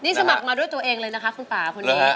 สมัครมาด้วยตัวเองเลยนะคะคุณป่าคนนี้